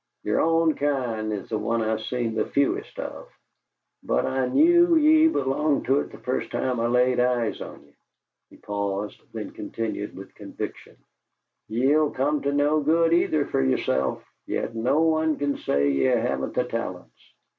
Yer own kind is the one I've seen the fewest of, but I knew ye belonged to it the first time I laid eyes on ye!" He paused, then continued with conviction: "Ye'll come to no good, either, fer yerself, yet no one can say ye haven't the talents.